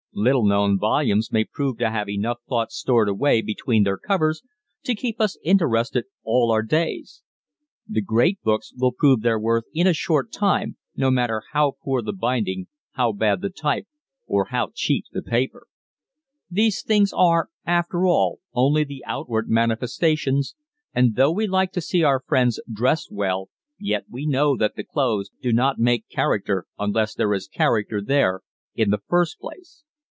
Little known volumes may prove to have enough thought stored away between their covers to keep us interested all our days. The great books will prove their worth in a short time no matter how poor the binding, how bad the type or how cheap the paper. These things are after all only the outward manifestations and though we like to see our friends dressed well yet we know that the clothes do not make character unless there is character there in the first place.